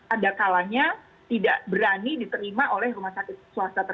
adakalanya tidak berani diterima oleh rumah sakit swasta